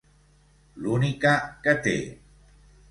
L'única que té.